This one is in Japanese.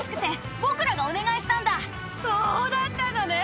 そうだったのね。